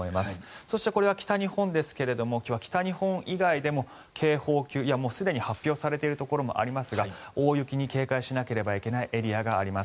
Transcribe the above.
そして、これは北日本ですが今日は北日本以外でも警報級いやもうすでに発表されているところもありますが大雪に警戒しなければいけないエリアがあります。